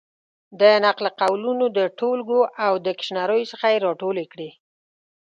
د نقل قولونو د ټولګو او ډکشنریو څخه یې را ټولې کړې.